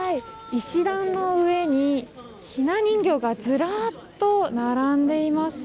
石段の上に、ひな人形がずらっと並んでいます。